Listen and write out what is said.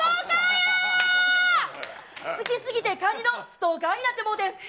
好きすぎて、カニのストーカーになってもうてん。